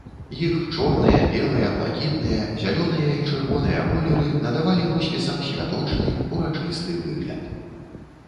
Іх чорныя, белыя, блакітныя, зялёныя і чырвоныя колеры надавалі роспісам святочны, урачысты выгляд.